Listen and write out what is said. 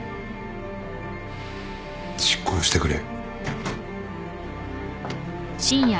執行してくれ。